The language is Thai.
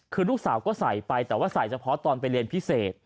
คือลูกสาวก็ใส่ไปแต่ว่าใส่เฉพาะตอนไปเรียนพิเศษ